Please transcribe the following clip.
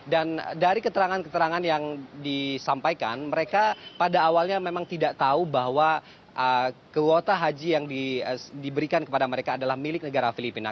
dan dari keterangan keterangan yang disampaikan mereka pada awalnya memang tidak tahu bahwa kuota haji yang diberikan kepada mereka adalah milik negara filipina